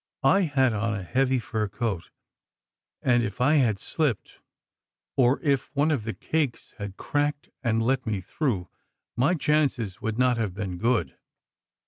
I had on a heavy fur coat, and if I had slipped, or if one of the cakes had cracked and let me through, my chances would not have been good.